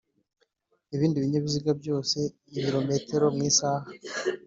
ibindi binyabiziga byose ibirometero mu isaha